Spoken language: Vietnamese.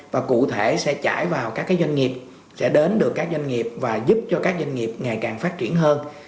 và cụ thể sẽ trải vào các doanh nghiệp sẽ đến được các doanh nghiệp và giúp cho các doanh nghiệp ngày càng phát triển hơn